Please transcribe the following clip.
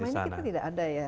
dan selama ini kita tidak ada ya